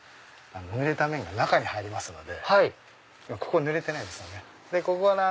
濡れた面が中に入りますのでここ濡れてないんですね。